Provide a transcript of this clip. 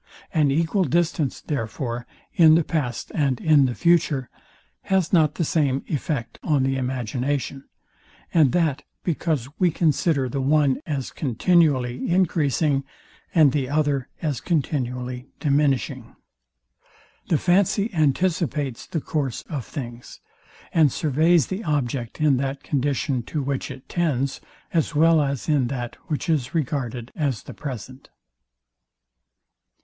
An equal distance, therefore, in the past and in the future, has not the same effect on the imagination; and that because we consider the one as continually encreasing, and the other as continually diminishing. The fancy anticipates the course of things, and surveys the object in that condition, to which it tends, as well as in that, which is regarded as the present.